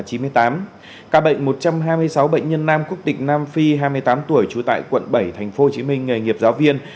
ca bệnh một trăm hai mươi sáu bệnh nhân nam quốc tịch nam phi hai mươi tám tuổi trú tại quận bảy tp hcm nghề nghiệp giáo viên